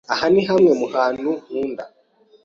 Aha ni hamwe mu hantu nkunda.